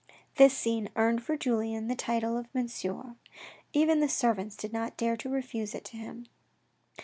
This scene earned for Julien the title of Monsieur ; even tht servants did not dare to refuse it to him.